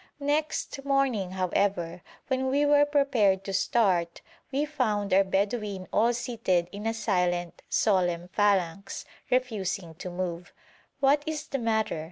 Next morning, however, when we were prepared to start, we found our Bedouin all seated in a silent, solemn phalanx, refusing to move. 'What is the matter?'